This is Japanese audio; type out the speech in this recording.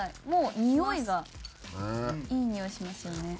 もうにおいがいいにおいしますよね。